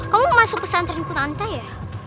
kamu masuk pesantren kuta ya